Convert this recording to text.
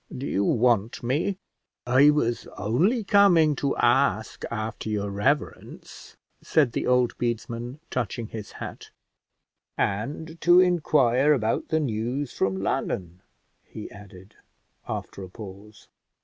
do you want me?" "I was only coming to ask after your reverence," said the old bedesman, touching his hat; "and to inquire about the news from London," he added after a pause.